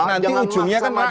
nanti ujungnya kan rakyat